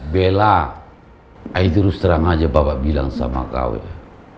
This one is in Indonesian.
bella ayo terus terang aja bapak bilang sama kawin